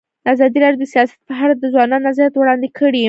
ازادي راډیو د سیاست په اړه د ځوانانو نظریات وړاندې کړي.